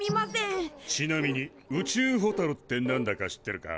ちなみに宇宙ホタルって何だか知ってるか？